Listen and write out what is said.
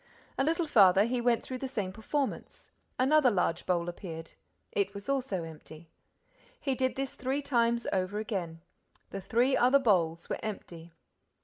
A little farther, he went through the same performance. Another large bowl appeared. It was also empty. He did this three times over again. The three other bowls were empty.